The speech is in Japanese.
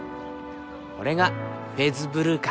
これがフェズ・ブルーか。